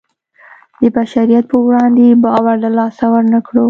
د بشریت په وړاندې باور له لاسه ورنکړو.